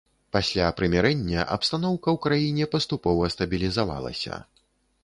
Пасля прымірэння абстаноўка ў краіне паступова стабілізавалася.